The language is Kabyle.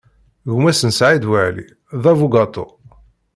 Gma-s n Saɛid Waɛli, d abugaṭu.